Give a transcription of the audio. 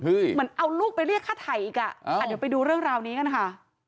เหมือนเอาลูกไปเรียกค่าไถ่อีกอ่ะเดี๋ยวไปดูเรื่องราวนี้กันค่ะ